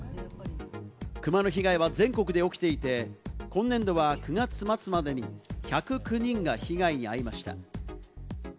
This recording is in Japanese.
クマの被害は全国で起きていて、今年度は９月末までに１０９人が被害に遭いました。